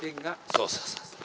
そうそうそうそう。